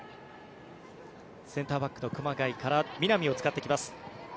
センターバックの熊谷から南を使ってきます。